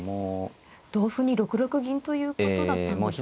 同歩に６六銀ということだったんですかね。